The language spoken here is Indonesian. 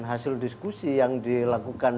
hasil diskusi yang dilakukan